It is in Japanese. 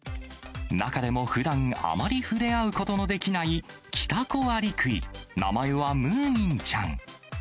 中でもふだん、あまり触れ合うことのできないキタコアリクイ、名前はムーミンちゃん。